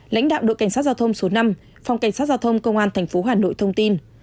lãnh đạo đội cảnh sát giao thông số năm phòng cảnh sát giao thông công an thành phố hà nội thông tin